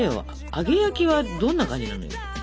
揚げ焼きはどんな感じなのよ？